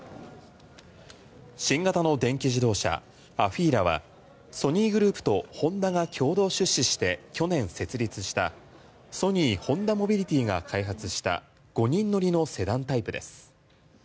新型の電気自動車ＡＦＥＥＬＡはソニーグループとホンダが共同出資して去年設立したソニー・ホンダモビリティが開発した５人乗りのセダンタイプです。